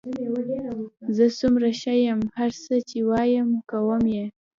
زه څومره ښه یم، هر څه چې وایې کوم یې.